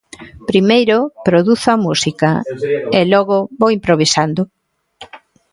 Primeiro produzo a música e logo vou improvisando.